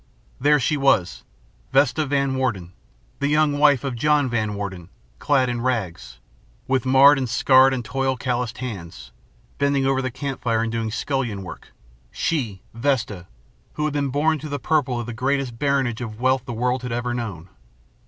There she was, Vesta Van Warden, the young wife of John Van Warden, clad in rags, with marred and scarred and toil calloused hands, bending over the campfire and doing scullion work she, Vesta, who had been born to the purple of the greatest baronage of wealth the world had ever known.